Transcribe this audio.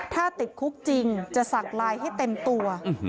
ถ้าติดคุกจริงจะสักไลน์ให้เต็มตัว